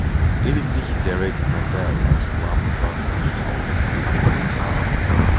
Lediglich Derek Mandell aus Guam war fünf Tausendstel langsamer.